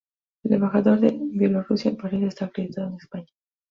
El embajador de Bielorrusia en París está acreditado en España.